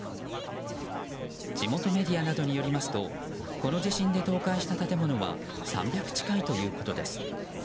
地元メディアなどによりますとこの地震で倒壊した建物は３００近いということです。